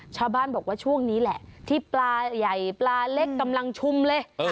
ชาวบ้านบอกว่าช่วงนี้แหละที่ปลาใหญ่ปลาเล็กกำลังชุมเลย